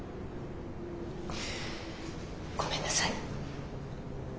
ごめんなさい。